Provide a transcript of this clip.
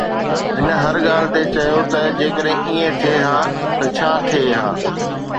هن هر هڪ ڳالهه تي چيو ته جيڪڏهن ائين ٿئي ها ته ڇا ٿئي ها